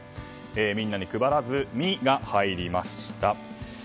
みんなに配らず「ミ」が入りました。